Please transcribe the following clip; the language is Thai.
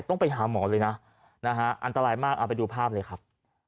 ต้องไปหาหมอเลยนะนะฮะอันตรายมากเอาไปดูภาพเลยครับ